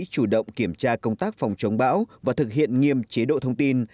chủ động kiểm tra công tác phòng chống bão và thực hiện nghiêm chế độ thông tin